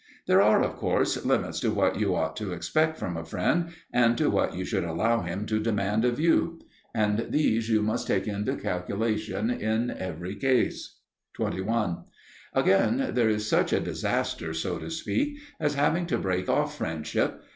There are, of course, limits to what you ought to expect from a friend and to what you should allow him to demand of you. And these you must take into calculation in every case. 21. Again, there is such a disaster, so to speak, as having to break off friendship.